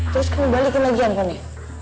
terus kamu balikin lagi handphonenya